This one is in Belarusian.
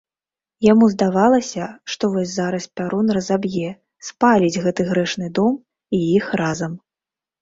Яму здавалася, што вось зараз пярун разаб'е, спаліць гэты грэшны дом і іх разам.